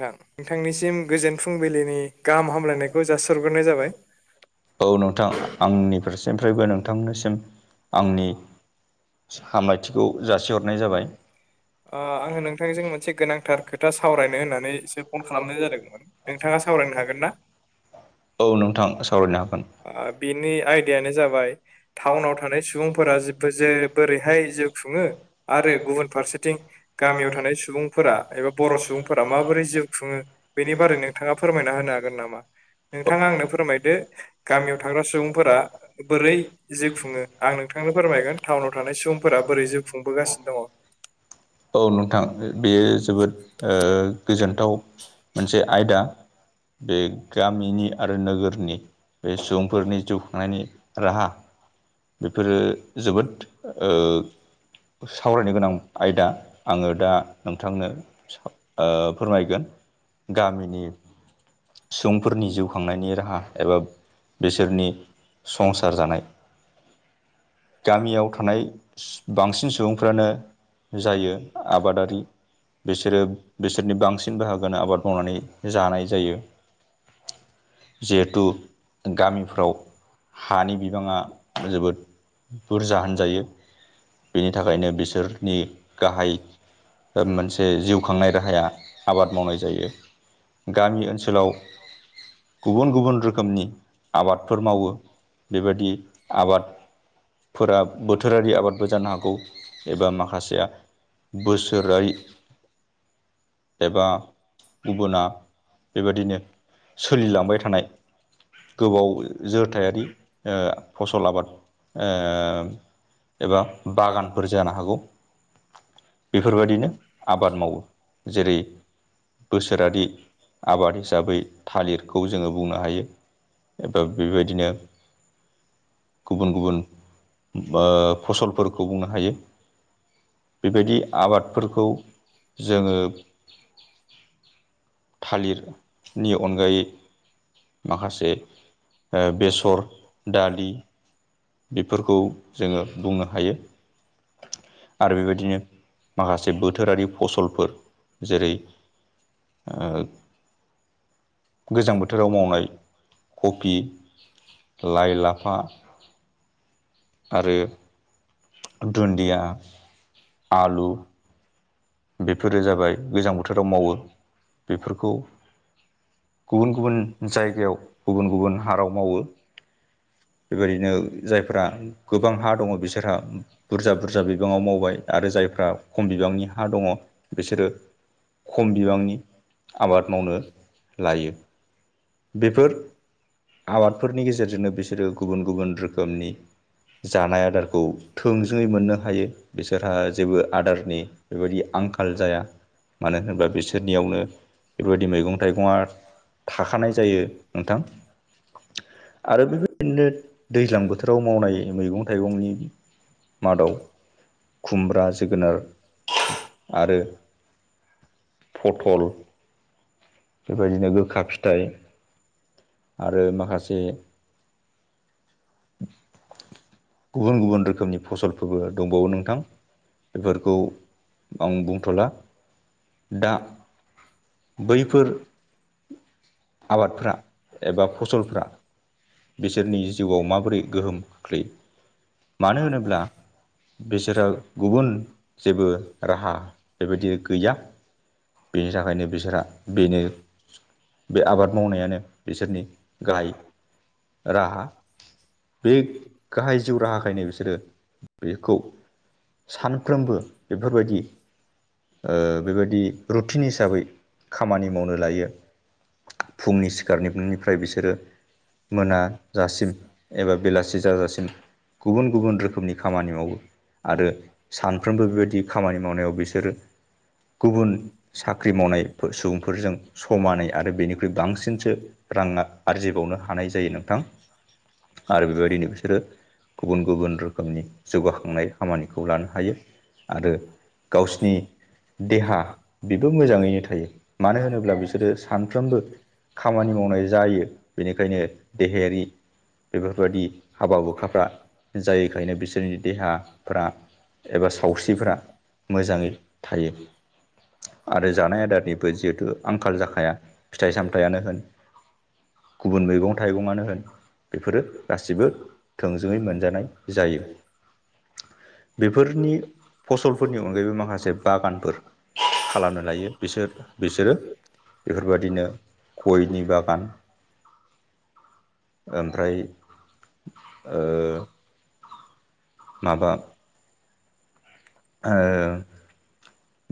नोंथां नोंथांनिसिम गोजोन फुंबिलिनि गाहाम हामलायनायखौ जासिहग्रोनाय जाबाय। औ नोंथां आंनि फारसेनिफ्रायबो नोंथांनिसिम आंनि हामलायथिखौ जासिहरनाय जाबाय। ओ आङो नोंथांजों मोनसे गोनांथार खोथा सावरायनो होनना नैसो फन खालामनाय जादोंमोन नोंथाङा सावरायनो हागोनना? औ नोंथां सावरायनो हागोन। ओ बिनि आयदायानो जाबाय टाउनाव थानाय सुबुंफोरा जेबो जे बोरैहाय जिउ खुङो आरो गुबुन फारसेथिं गामियाव थानाय सुबुंफोरा एबा बर' सुबुंफोर बा माबोरै जिउ खुङो बेनि बारै नोंथाङा फोरमायना होनो हागोन नामा? नोंथाङा आंनो फोरमायदो। गामियाव थाग्रा सुबुंफोरा बोरै जिउ खुङो आं नोंथांनो फोरमायगोन। टाउनाव थानाय सुबुंफोरा बोरै जिउ खुंबोगासिनो दङ। औ नोंथां बेयो जोबोद ओ गोजोनथाव मोनसे आयदा। बे गामिनि आरो नोगोरनि बे सुबुंफोरनि जिउ खांनायनि राहा बेफोरो जोबोद ओ सावरायनो गोनां आयदा आङो दा नोंथांनो ओ फोरमायगोन गामिनि सुबुंफोरनि जिउ खांनायनि राहा एबा बिसोरनि संसार जानाय गामियाव थानाय बांसिन सुबुंफ्रानो जायो आबादारि बिसोरो बिसोरनि बांसिन बाहागोनो आबाद मावनानै जानाय जायो। जिहेथु गामिफ्राव हानि बिबाङा जोबोद बुरजा होनजायो बेनि थाखायनो बिसोरनि गाहाय ओ मोनसे जिउ खांनाय राहाया आबाद मावनाय जायो। गामि ओनसोलाव गुबुन गुबुन रोखोमनि आबादफोर मावो बेबायदि आबाद फोरा बोथोरारि आबादबो जानो हागौ एबा माखासेया बोसोरारि एबा गुबुना बेबादिनो सोलिलांबाय थानाय गोबाव जोथायारि ओ फसल आबाद ओ एबा बागानफोर जानो हागौ बेफोरबायदिनो आबाद मावो। जेरै बोसोरारि आबाद हिसाबै थालिरखौ जोङो बुंनो हायो। एबा बेबायदिनो गुबुन गुबुन ओ फसलफोरखौ बुंनो हायो। बेबायदि आबादफोरखौ जोङो थालिर नि अनगायै माखासे ओ बेसर दालि बेफोरखौ जोङो बुंनो हायो। आरो बेबायदिनो माखासे बोथोरारि फसलफोर जेरै ओ गोजां बोथोर फोराव मावनाय कफि लाइ लाफा आरो दुन्दिया आलु बेफोरो जाबाय गोजां बोथोराव मावो बेफोरखौ गुबुन गुबुन जायगायाव गुबुन गुबुन हाराव मावो। बेबायदिनो जायफोरा गोबां हा दङ बिसोरहा बुरजा बुरजा बिबाङाव मावबाय आरो जायफ्रा खम बिबांनि हा दङ बिसोरो खम बिबांनि आबाद मावनो लायो। बेफोर आबादफोरनि गेजेरजोंनो बिसोरो गुबुन गुबुन रोखोमनि जानाय आदारखौ थोंजोङै मोननो हायो बिसोरहा जेबो आदारनि बेबायदि आंखाल जाया मानो होनोब्ला बिसोरनियावनो बेबायदि मैगं थाइगंया थाखानाय जायो नोंथां। आरो बेबायदिनो दैज्लां बोथोराव मावनाय मैगं थाइगंनि मादाव खुमब्रा, जोगोनार आरो पथल बेबायदिनो गोखा फिथाइ आरो माखासे गुबुन गुबुन रोखोमनि फसलफोरबो दंबावो नोंथां बेफोरखौ आं बुंथ'ला दा बैफोर आबादफोरा एबा फसलफ्रा बिसोरनि जिउआव माबोरै गोहोम खोख्लैयो? मानो होनोब्ला बिसोरो गुबुन जेबो राहा बेबायदि गैया। बेनि थाखायनो बिसोरहा बेनो बे आबाद मावनायानो बिसोरनि गाहाय राहा बे गाहाय जिउ राहाखायनो बिसोरो बेखौ सानफ्रोमबो बेफोरबायदि ओ बेबायदि रुटिन हिसाबै खामानि मावनो लायो। फुंनि सिखारनायनिफ्राय बिसोरो मोनाजासिम एबा बेलासि जाजासिम गुबुन गुबुन रोखोमनि खामानि मावो आरो सानफ्रोमबो बेबायदि खामानि मावनायाव बिसोरो गुबुन साख्रि मावनाय सुबुंफोरजों समानै आरो बेनिख्रुइ बांसिनसो राङा आरजिबावनो हानाय जायो नोंथां आरो बेबायदिनो बिसोरो गुबुन गुबुन रोखोमनि जौगाखांनाय खामानिखौ लानो हायो। आरो गावसिनि देहा बेबो मोजाङैनो थायो। मानो होनोब्ला बिसोरो सानफ्रोमबो खामानि मावनाय जायो। बेनिखायनो देहायारि बेफोर बायदि हाबा हुखाफ्रा जायोखायनो बिसोरनि देहाफ्रा एबा सु सावस्रिफोरा मोजांङै थायो। आरो जानाय आदारनिबो जिहेथु आंखाल जाखाया फिथाइ सामथायाइयानो होन गुबुन मैगं थाइगंनो होन बेफोरो गासिबो थोंजोंङै मोनजानाय जायो। बेफोरनि पथलफोरनि अनगायैबो माखासे बागानफोर खालामनो लायो बिसोर बिसोरो बेफोर बायदिनो गयनि बागान ओमफ्राय ओ माबा ओ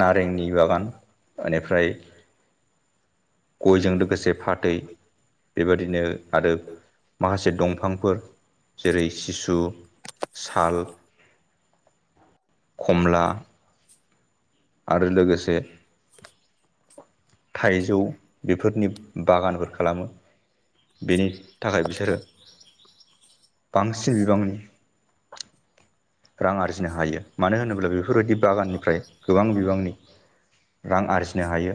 नारेंनि बागान बेनिफ्राय गयजों लोगोसे फाथै बेबादिनो आरो माखासे दंफांफोर जेरै सिसु साल खमला आरो लोगोसे थाइजौ बेफोरनि बागानफोर खालामो बेनि थाखाय बिसोरो बांसिन बिबांनि रां आरजिनो हायो मानो होनोब्ला बेफोरबायदि बागाननिफ्राय गोबां बिबांनि रां आरजिनो हायो।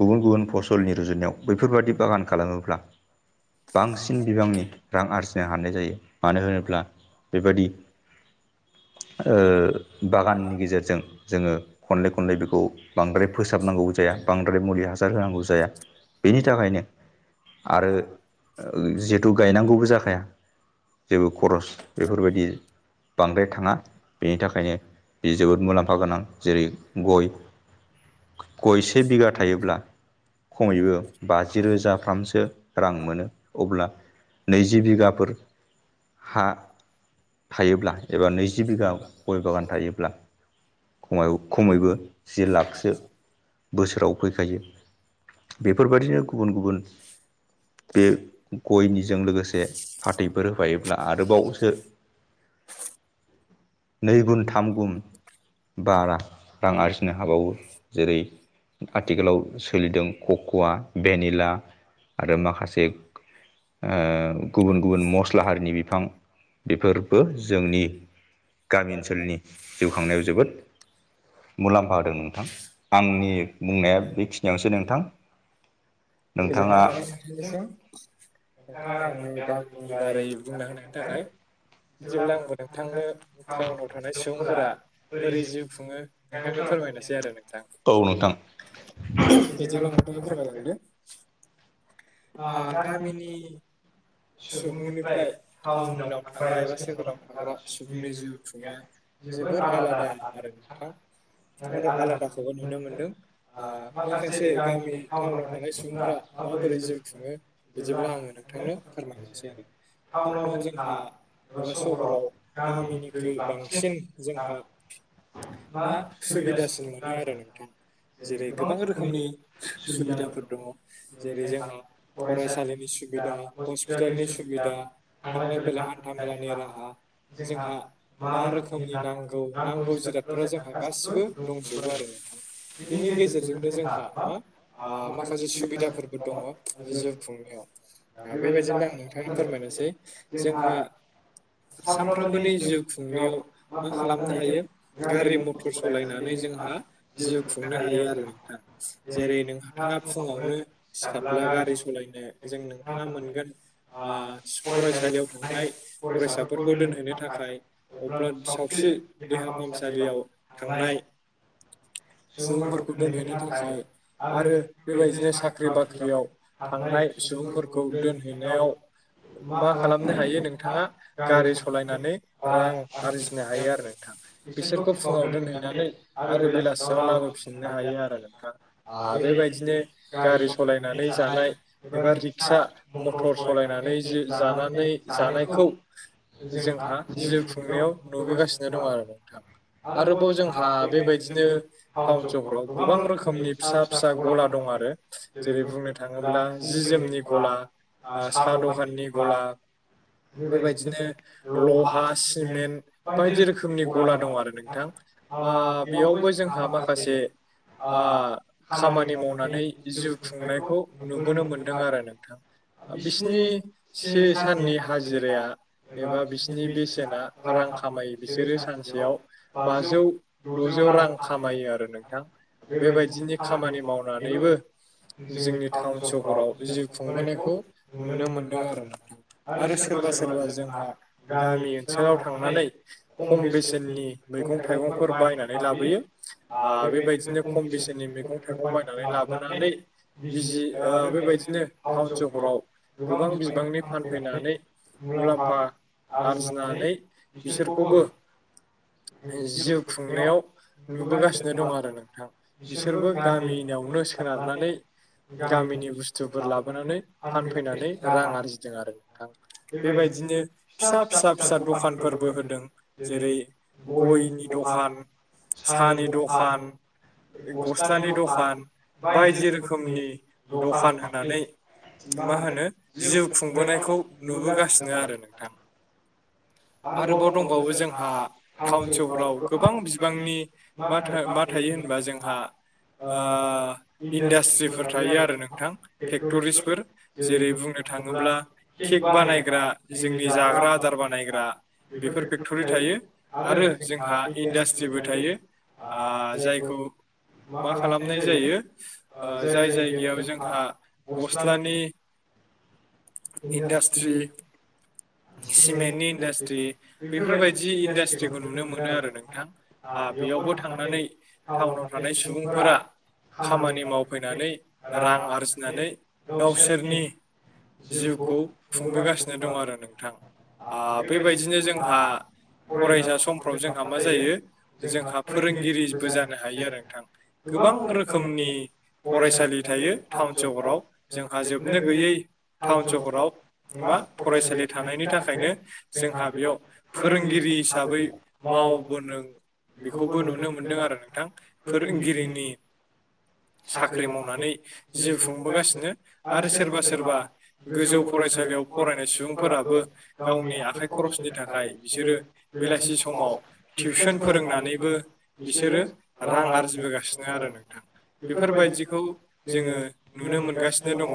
गुबुन गुबुन फसलनि रुजुनायाव बैफोरबादि बागान खालामोब्ला बांसिन बिबांनि रां आरजिनो हानाय जायो मानो होनोब्ला बेबादि ओ बागाननि गेजेरजों जोंङो खनले खनले बेखौ बांद्राय फोसाबनांगौ जाया बांद्राय मुलि हासार होनांगौ जाया बेनि थाखायनो आरो जिहेथु गायनांगौबो जाखाया जेबो खरस बेफोरबायदि बांद्राय थांङा बेनि थाखायनो बे जोबोद मुलाम्फा गोनां जेरै गय गय से बिगा थायोब्ला खमैबो बाजि रोजाफ्रामसो रां मोनो अब्ला नैजि बिगाफोर हा थायोब्ला एबा नैजि बिगा गय बागान थायोब्ला खम खमैबो जिस लाखसो बोसोराव फैखायो बेफोरबादिनो गुबुन गुबुन बे गयनिजों लोगोसे फाथैफोर होफायोब्ला आरोबावसो नै गुन थाम गुन बारा रां आरजिनो हाबावो जेरै आथिखालाव सोलिदों कक'वा भेनिला आरो माखासे ओ गुबुन गुबुन मस्ला हारिनि बिफां बेफोर बो जोंनि गामि ओनसोलनि जिउ खांनायाव जोबोद मुलाम्फा होदों नोंथां आंनि बुंनाया बेखिनियावसो नोंथां गोजोननाय नोंथाङा थाबाय नोंथखंनिसिम नोंथाङा आंनि गामिनि बारै बुंना होनायनि थाखाय जेब्ला आंबो नोंथांनो टाउनाव थानाय सुबुंफोरा बोरै जिउ खुंङो नोंथांनो फोरमायनोसै आरो नोंथां औ नोंथां बिदिब्ला नोंथांङा फोरमायलांदो गामिनि सुबुंनिफ्राय टाउनाव थाग्रा एबा सोहोराव थाग्रा सुबुंनि जिउ खुंनाया जोबोर आलादा आरो नोंथां आरो आलादाखौबो नुनो मोनदों माखासे गामि टाउनाव थानाय सुबुंफ्रा माबोरै जिउ खुङो बिदिब्ला आङो नोंथांनो फोर टाउनाव जोंहा एबा सहराव गामिनिख्रुइ बांसिन जोंहा मा सुबिदासिन मोनो आरो नोंथां जेरै गोबां रोखोमनि सुबिदाफोर दङ जेरै जोंहा फरायसालिनि सुबिदा हस्पिटालनि सुबिदा थांलाय फैलाय हान्था मेलानि राहा जोंहा मा रोखोमनि नांगौ नांगौ जिरादफोरा जोंहा गासिबो दंजोबो आरो नोंथां बेनि गेजेरजोंनो जोंहा मा माखासे सुबिदाफोरबो दङ बे जिउ खुंनायाव आ, [unintelligible] आं बेबायदिब्ला नोंथांङा फोरमायनोसै जोंहा सानफ्रामबोनि जिउ खुंनायाव मा खालामनो हायो गारि मथर सालायनानै जोंहा जिउ खुंनो हायो आरो नोंथां जेरै नोंथाङा फुङावनो। सिख्ला गारि सालायनो जों नोंथाङा मोनगोन। फरायसालियाव थांनाय फरायसाफोरखौ दोनहोननो थाखाय। अब्ला सावस्रि देहा फाहामसालियाव थांनाय [unintelligible] सुबुंफोरखौ दोनहैनो थाखाय। आरो बे बायदिनो साख्रि बाख्रियाव थांनाय सुबुंफोरखौ [unintelligible] हैनायाव मा खालामनो हायो नोंथाङा गारि सालायनानै? रां आरजिनो हायो आरो नोंथाङा बिसोरखौ फुङाव दोनहैनानै आरो बेलासियाव लाबोफिन सनो हायो आरो नोंथां आरो बे बादिनो गारि सालायनानै जानाय एबा र रिक्सा मटर सालायनानै ज' जानानै जानायखौ जोंहा जिउ खुंनायाव नुबोगासिनो दं आरो नोंथां। आरोबाव जोंहा बे बायदिनो टाउन सहराव गोबां रोखोमनि फिसा फिसा गला दं आरो। जेरै बुंनो थाङोब्ला जि जोमनि गला ओ साहा दखाननि गलाब बेबायदिनो लहा सिमेन्ट बायदि रोखोमनि गला दं आरो नोंथां। ओ बेयावबो जोंहा माखासे खामानि मावनानै जिउ खुंनायखौ नुबोनो मोनदों आरो बिसिनि से साननि हाजिराया एबा बिसिनि बेसेना रां खामायो बिसोरो सानसेयाव बाजौ द'जौ रां खामायो आरो नोंथां बे बायदिनि खामानि मावनानैबो जोंनि टाउन सहराव जिउ खुंबोनायखौ नुनो मोनदों आरो सोरबा सोरबा जोंहा गामि ओनसोलाव थांनानै खम बेसेननि। मैगं थाइगंफोर बायनानै लाबोयो बेबायदिनो खम बेसेननि मैगं मेथाइखौ बायनानै लाबोनानै बिजि बे बायदिनो टाउन सहराव गोबां बिबांनि फानफैनानै मुलाम्फा आरजिनानै बिसोरखौबो जिउ खुंनायाव नुबोगासिनो दं आरो नोंथां बिसोरबो गामियावनो सोनारनानै गामिनि बुस्थुफोर लाबोनानै फानफैनानै रां आरजिदों आरो न बे बायदिनो फिसा फिसा फिसा दखानफोरबो होदों जेरै गयनि दखान, साहानि दखान गस्लानि दखान बायदि रोखोमनि दखान होनानै मा होनो जिउ खुंबोनायखौ नुबोगासिनो आरो नोंथां। [inaudible] आरोबाव दंबावो जोंहा टाउन सहराव गोबां बिबांनि मा मा थायो होनबा जोंहा इन्डास्ट्रिफोर थायो आरो नोंथां। फेक्ट'रिसफोर जेरै बुंनो थाङोब्ला केक बानायग्रा जोंनि जाग्रा आदार बानायग्रा नायग्रा बेफोर फेक्टरि थायो आरो जोंहा इडास्ट्रिबो थायो। जायखौ मा खालामनाय जायो जाय जायगायाव जोंहा गस्लानि इन्डास्ट्रि सिमेन्टनि इन्डास्ट्रि बेफोरबायदि इन्डासट्रिखौ नुनो मोनो आरो नोंथां। बेयावबो थांनानै टाउनाव थानाय सुबुंफोरा खामानि मावफैनानै रां आरजिनानै गावसोरनि। जिउखौ खुंबोगासिनो दं आरो नोंथां बेबायदिनो जोंहा फरायसा समफ्राव जोंहा मा जायो जोंहा फोरोंगिरिबो जानो हायो आरो नोंथां। गोबां रोखोमनि फरायसालि थायो टाउन सहराव जोंहा जोबनो गैयै टाउन सहराव मा फरायसालि थानायनि थाखायनो जोंहा बेयाव फोरोंगिरि हिसाबै मावबोनों बेखौबो नुनो मोनदों आरो नोंथां फोरोंगिरिनि साख्रि मावनानै जिउ खुंबोगासिनो आरो सोरबा सोरबा गोजौ फरायसालियाव फरायनाय सुबुंफोराबो गावनि आखाइ खरसनि थाखाय बिसोरो बेलासि समाव टिउसन फोरोंनानैबो बिसोरो रां आरजिबोगासिनो आरो नोंथां बेफोरबायदिखौ जोङो नुनो मोनगासिनो दङ ज [unintelligible]